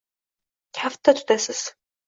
Kaftda tutasiz